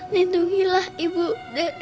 lindungilah ibu dari segi dunia dan akhirat